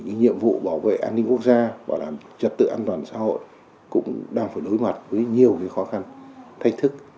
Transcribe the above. nhiệm vụ bảo vệ an ninh quốc gia bảo đảm trật tự an toàn xã hội cũng đang phải đối mặt với nhiều khó khăn thách thức